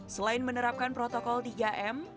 selain menerapkan protokol tiga m